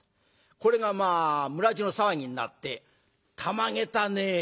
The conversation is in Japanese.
これが村じゅうの騒ぎになって「たまげたね。